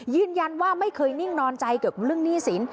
ยืนยันว่าไม่เคยนิ่งนอนใจเกี่ยวกับเรื่องหนี้สิน